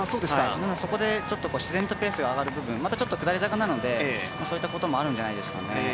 そこで自然とペースが上がる部分また、下り坂なのでそういったこともあるんじゃないですかね。